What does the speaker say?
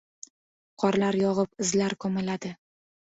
Qorlar yogʻib, izlar koʻmiladi.